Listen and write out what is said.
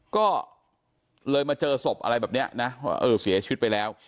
ก็เลยมาเจอศพอะไรแบบนี้นะว่าเออเสียชีวิตไปแล้ว